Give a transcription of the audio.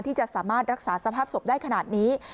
ที่จะสามารถรักษาสภาพศพได้ขนาดนี้